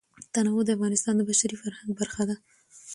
تنوع د افغانستان د بشري فرهنګ برخه ده.